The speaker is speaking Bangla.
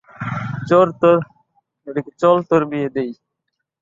চল তোর বিয়ে দিই।